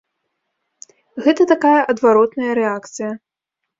Гэта такая адваротная рэакцыя.